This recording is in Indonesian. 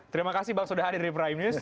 terima kasih bang sudah hadir di prime news